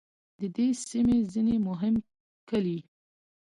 د دې سیمې ځینې مهم کلي